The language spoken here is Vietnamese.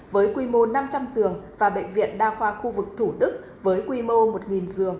bệnh viện đa khoa khu vực thủ đức với quy mô một giường